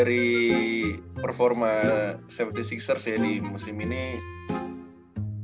kalau gue kalau gue itu misalnya mikrings juga ini cara podcast ini wheelchair ngeaw wong the